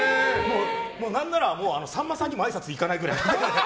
何なら、さんまさんにもあいさつ行かないぐらい。